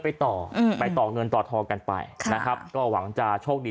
ไปต่ออืมไปต่อเงินต่อทองกันไปนะครับก็หวังจะโชคดี